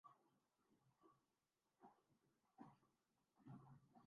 آڑے ہاتھوں لینے والی لبرل آوازیں بیک زبان کہتی سنائی